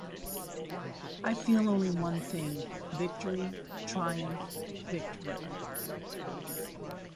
I feel only one thing--victory, triumph, victory.